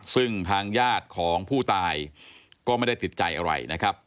ซึ่งทางญาติของผู้ตายก็ไม่ได้ติดใจอะไรนะครับ